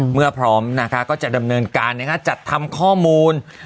เมื่อพร้อมนะคะก็จะดำเนินการจัดทำข้อมูล